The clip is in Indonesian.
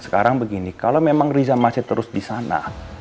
sekarang begini kalo memang risa masih terus disana